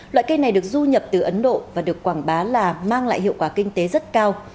loại cây này được du nhập từ ấn độ và được quảng bá là mang lại hiệu quả kinh tế rất cao